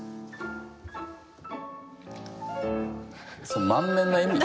それ満面の笑み？